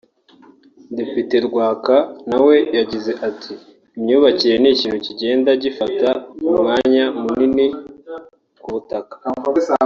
Depite Rwaka nawe yagize ati “Imyubakire ni ikintu kigenda gifata umwanya munini ku butaka